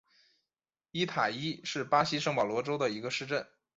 伊塔伊是巴西圣保罗州的一个市镇。